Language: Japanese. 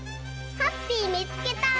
ハッピーみつけた！